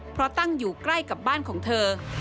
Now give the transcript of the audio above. เพราะตั้งอยู่ใกล้กับบ้านของเธอ